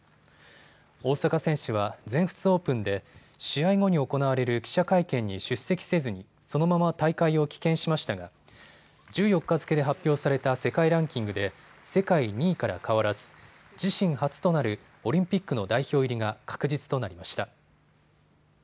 大坂選手は全仏オープンで試合後に行われる記者会見に出席せずに、そのまま大会を棄権しましたが１４日付けで発表された世界ランキングで世界２位から変わらず自身初となるオリンピックの代表入りが確実となりました。